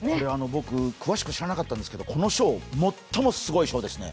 僕詳しく知らなかったんですけどこの賞、最もすごい賞ですね。